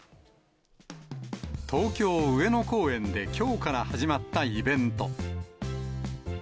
東京・上野公園できょうから始まったイベント。